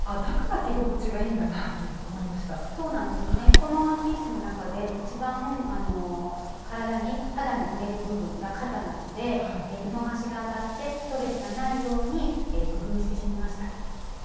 このワンピースの中で一番体に肌に触れる部分が肩なので布端が当たってストレスがないように工夫してみました。